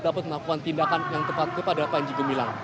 dapat melakukan tindakan yang tepat kepada panji gumilang